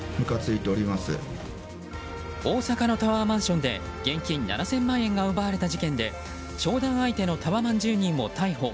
大阪のタワーマンションで現金７０００万円が奪われた事件で商談相手のタワマン住民を逮捕。